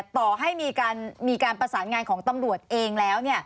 ต่อให้มีการประสานงานของตำรวจเองแล้ว